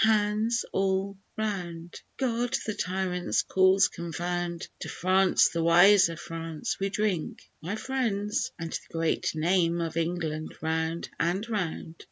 Hands all round! God the tyrant's cause confound! To France, the wiser France, we drink, my friends, And the great name of England round and round.